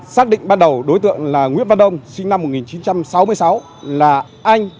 xác định ban đầu đối tượng là nguyễn văn đông sinh năm một nghìn chín trăm sáu mươi sáu là anh